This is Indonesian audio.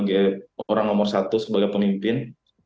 sebagai orang nomor satu sebagai pemimpin